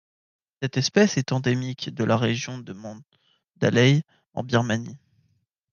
Cette espèce est endémique de la région de Mandalay en Birmanie.